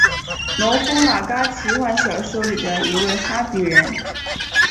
农夫马嘎奇幻小说里的一位哈比人。